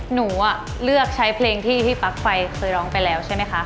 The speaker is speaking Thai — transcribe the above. หนูเลือกใช้เพลงที่พี่ปลั๊กไฟเคยร้องไปแล้วใช่ไหมคะ